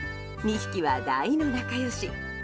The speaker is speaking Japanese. ２匹は大の仲良し。